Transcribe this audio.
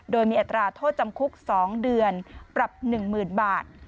โดยมีอัตราโทษจำคุก๒เดือนปรับ๑๐๐๐บาท